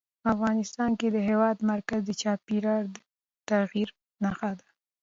افغانستان کې د هېواد مرکز د چاپېریال د تغیر نښه ده.